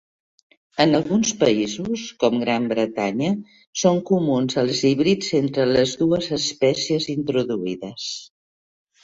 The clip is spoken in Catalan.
En alguns països, com Gran Bretanya, són comuns els híbrids entre les dues espècies introduïdes.